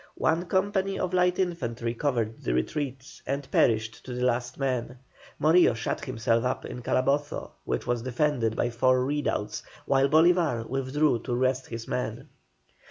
One company of light infantry covered the retreat, and perished to the last man. Morillo shut himself up in Calabozo, which was defended by four redoubts, while Bolívar withdrew to rest his men.